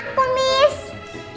kalau ke pantai asuhan aku mau ke mana